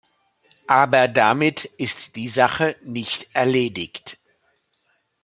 Aber damit ist die Sache nicht erledigt.